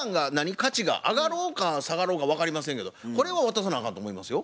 価値が上がろうか下がろうが分かりませんけどこれは渡さなあかんと思いますよ。